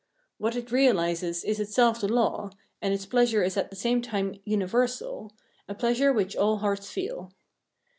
What it realises is itself the law, and its pleasure is at the same time universal, a pleasure which all hearts feel.